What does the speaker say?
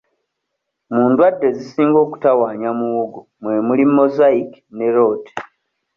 Mu ndwadde ezisinga okutawaanya muwogo mwe muli Mosaic ne Rot.